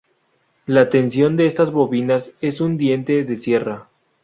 La tensión de estas bobinas es un diente de sierra.